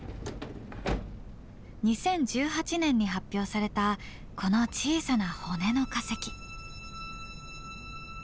２０１８年に発表されたこの小さな骨の化石。